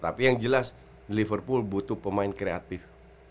tapi yang jelas liverpool butuh pemain kreatif